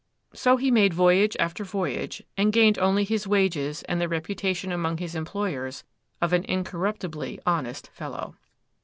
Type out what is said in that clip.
So he made voyage after voyage, and gained only his wages and the reputation among his employers of an incorruptibly honest fellow.